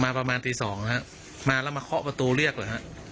อ๋อมาประมาณตี๒นะครับมาแล้วมาเคาะประตูเรียกเหรอฮะ